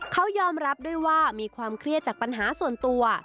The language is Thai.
เขายอมรับด้วยว่ามีความเครียดจากปัญหาส่วนตัว